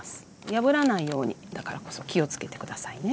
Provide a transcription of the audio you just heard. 破らないようにだからこそ気をつけて下さいね。